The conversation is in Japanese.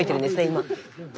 今。